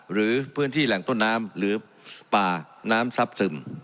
หรือพื้นที่แหล่งต้นน้ำหรือป่าน้ำซับซึม